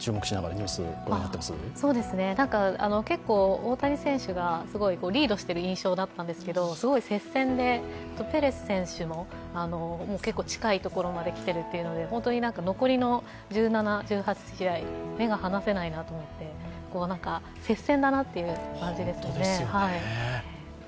結構、大谷選手がリードしている印象だったんですけどすごい接戦で、ペレス選手も結構近いところまできてるということで本当に残りの１７、１８試合、目が離せないなと思って接戦だなという感じですね。